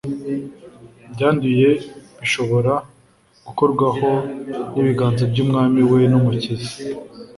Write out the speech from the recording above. byanduye bishobora gukorwaho n'ibiganza by'Umwami we n' umukiza